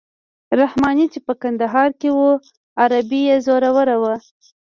رحماني چې په کندهار کې وو عربي یې زوروره وه.